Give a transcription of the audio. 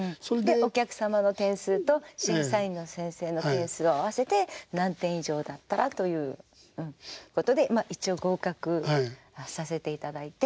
でお客様の点数と審査員の先生の点数を合わせて何点以上だったらということで一応合格させていただいて。